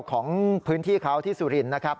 ของพื้นที่เขาที่สุรินทร์นะครับ